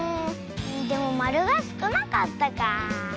でもまるがすくなかったかあ。